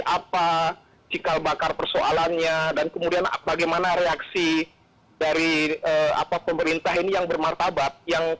apa cikal bakar persoalannya